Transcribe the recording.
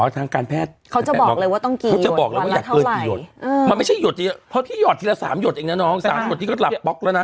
ต่างก็ลหลับป๊อกละนะ